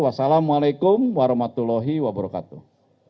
wassalamu'alaikum warahmatullahi wabarakatuh